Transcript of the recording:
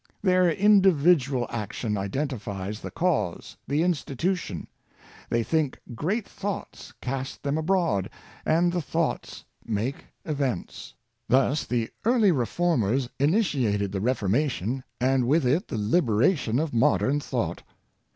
Their individual action identifies the cause — the institution. They think great thoughts, cast them abroad, and the thoughts make events. Thus the early Reformers initiated the Ref ormation, and with it the liberation of modern thought.